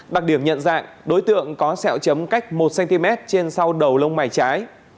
đặc điểm nhận dạng đối tượng có xẹo chấm cách một cm trên sau đầu lông mày trái